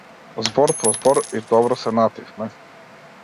Збор по збор, и добро се напивме.